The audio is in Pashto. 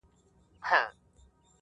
دا زموږ ادبي معیار وګنې